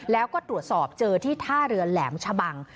แล้วก็ตรวจสอบเจอที่ท่าเรือแหลมชะบัง